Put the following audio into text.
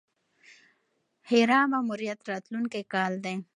هیرا ماموریت راتلونکی کال دی.